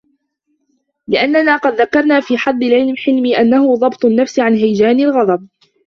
لِأَنَّنَا قَدْ ذَكَرْنَا فِي حَدِّ الْحِلْمِ أَنَّهُ ضَبْطُ النَّفْسِ عَنْ هَيَجَانِ الْغَضَبِ